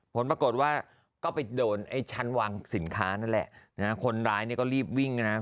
ผลปรากฏว่าก็ไปโดนไอ้ชั้นวางสินค้านั่นแหละนะฮะคนร้ายเนี่ยก็รีบวิ่งนะครับ